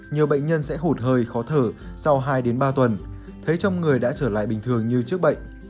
nhiều bệnh nhân sẽ hụt hơi khó thở sau hai ba tuần thấy trong người đã trở lại bình thường như trước bệnh